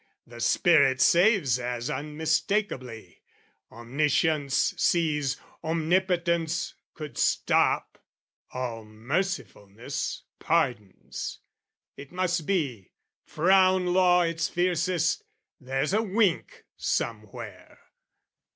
The spirit saves as unmistakeably. Omniscience sees, Omnipotence could stop, All mercifulness pardons, it must be, Frown law its fiercest, there's a wink somewhere.